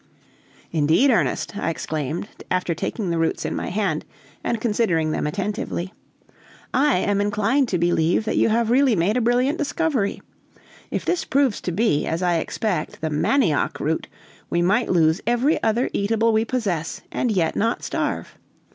"Indeed, Ernest," I exclaimed, after taking the roots in my hand and considering them attentively, "I am inclined to believe that you have really made a brilliant discovery! If this proves to be, as I expect, the manioc root, we might lose every other eatable we possess, and yet not starve.